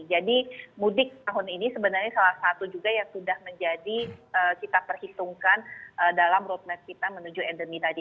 jadi mudik tahun ini sebenarnya salah satu juga yang sudah menjadi kita perhitungkan dalam roadmap kita menuju endemi tadi